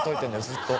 ずっと。